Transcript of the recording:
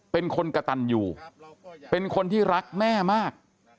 เป็นคนกระตันอยู่เป็นคนที่รักแม่มาก